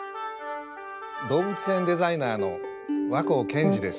動物園デザイナーの若生謙二です。